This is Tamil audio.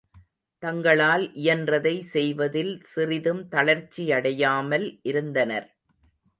தங்களால் இயன்றதை செய்வதில் சிறிதும் தளர்ச்சியடையாமல் இருந்தனர்.